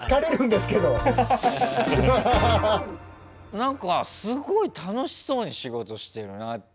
なんかすごい楽しそうに仕事してるなって。